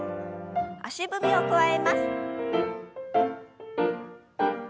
足踏みを加えます。